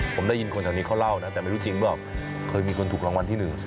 ผมได้ยินคนแถวนี้เขาเล่านะแต่ไม่รู้จริงว่าเคยมีคนถูกรางวัลที่หนึ่ง